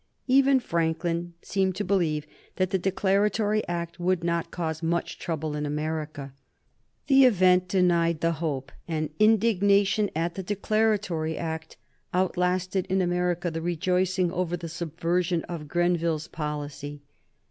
Even Franklin seemed to believe that the Declaratory Act would not cause much trouble in America. The event denied the hope, and indignation at the Declaratory Act outlasted in America the rejoicing over the subversion of Grenville's policy.